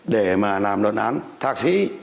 để mà làm đoạn án thạc sĩ